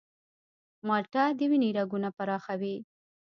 مالټه د وینې رګونه پراخوي.